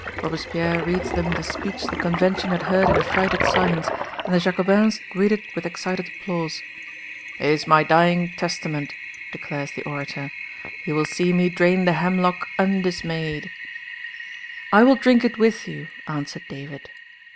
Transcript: Robespierre reads them the speech the Convention had heard in affrighted silence, and the Jacobins greet it with excited applause. "It is my dying testament," declares the orator. "You will see me drain the hemlock undismayed." "I will drink it with you," answered David.